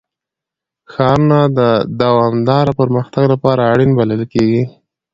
ښارونه د دوامداره پرمختګ لپاره اړین بلل کېږي.